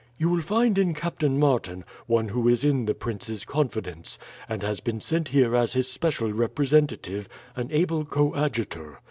"You will find in Captain Martin, one who is in the prince's confidence, and has been sent here as his special representative, an able coadjutor.